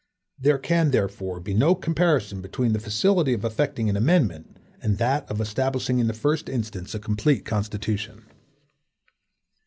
There can, therefore, be no comparison between the facility of affecting an amendment, and that of establishing in the first instance a complete Constitution.